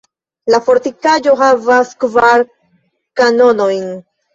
La fortikaĵo havas kvar kanonojn.